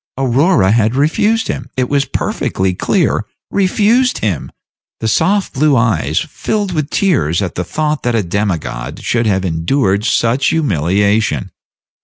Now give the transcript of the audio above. Aurora had refused him it was perfectly clear refused him! The soft blue eyes filled with tears at the thought that a demigod should have endured such humiliation.